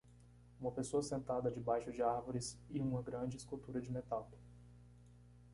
Uma pessoa sentada debaixo de árvores e uma grande escultura de metal.